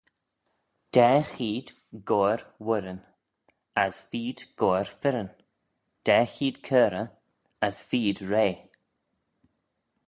Daa cheead goair woirryn, as feed goair fyrryn, daa cheead keyrrey, as feed rea.